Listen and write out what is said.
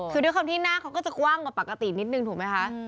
คือด้วยความที่หน้าเขาก็จะกว้างกว่าปกตินิดนึงถูกไหมคะ